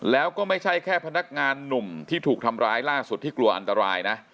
แล้วก็ไม่ใช่แค่พนักงานหนุ่มที่ถูกทำร้ายล่าสุดที่กลัวอันตรายนะ